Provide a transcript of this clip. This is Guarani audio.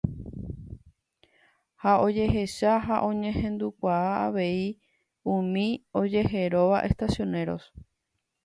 ha ojehecha ha oñehendukuaa avei umi ojeheróva Estacioneros